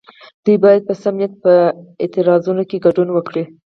دوی باید په سم نیت په اعتراضونو کې ګډون وکړي.